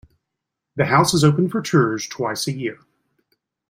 The house is open for tours twice a year.